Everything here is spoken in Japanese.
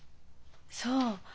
そう。